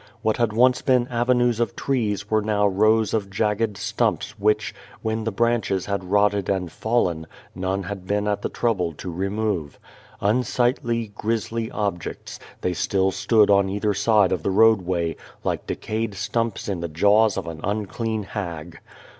What had once been avenues of trees were now rows of jagged stumps which, when the branches had rotted and fallen, none had been at the trouble to remove. Unsightly, grisly objects, they still stood on either side of the roadway, like decayed stumps in the jaws of an unclean hag.